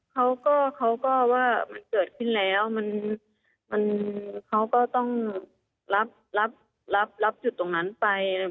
เขาก็เขาก็ว่ามันเกิดขึ้นแล้วมันเขาก็ต้องรับรับจุดตรงนั้นไป